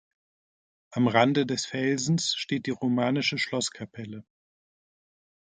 Am Rande des Felsens steht die romanische Schlosskapelle.